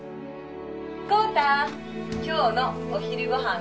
孝多今日のお昼ご飯は